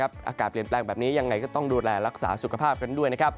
อากาศเปลี่ยนแปลงแบบนี้ยังไงก็ต้องดูแลรักษาสุขภาพกันด้วย